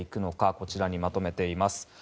こちらにまとめています。